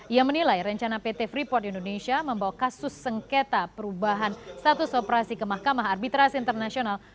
ia menilai rencana pt freeport indonesia membawa kasus sengketa perubahan status operasi ke mahkamah arbitrasi internasional